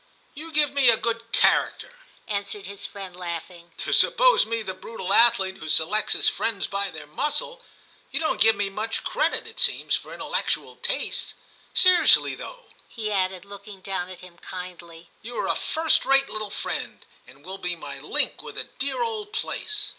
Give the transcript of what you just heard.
* You give me a good character,' answered his friend, laughing, ' to suppose me the brutal athlete who selects his friends by their muscle; you don't give me much credit, it seems, for intellectual tastes. Seriously though,' he added, looking down at him kindly, ' you are a first rate little friend, and will be my link with the dear old place.'